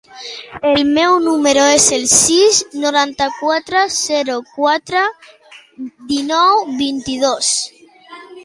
El meu número es el sis, noranta-quatre, zero, quatre, dinou, vint-i-dos.